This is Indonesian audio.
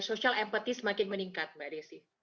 social empathy semakin meningkat mbak desy